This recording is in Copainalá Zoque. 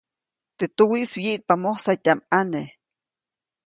Teʼ tuwiʼis wyiʼkpa mosatyaʼm ʼane.